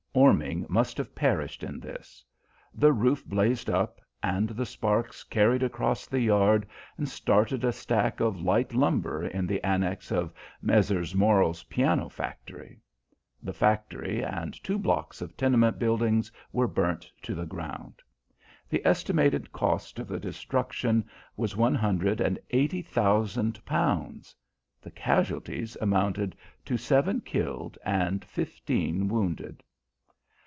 Orming must have perished in this. The roof blazed up, and the sparks carried across the yard and started a stack of light timber in the annexe of Messrs. Morrel's piano factory. The factory and two blocks of tenement buildings were burnt to the ground. The estimated cost of the destruction was one hundred and eighty thousand pounds. The casualties amounted to seven killed and fifteen wounded.